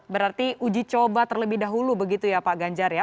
berarti uji coba terlebih dahulu begitu ya pak ganjar ya